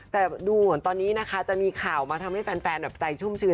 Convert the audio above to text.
แต่ดูเหมือนตอนนี้นะคะจะมีข่าวมาทำให้แฟนแบบใจชุ่มชื้น